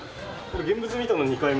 現物見たの２回目。